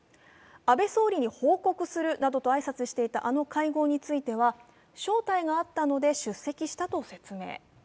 「安倍総理に報告する」などと挨拶していたあの会合については招待があったので出席したと説明。